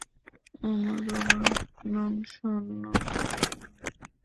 আমার বাবার নাম শন নোলান।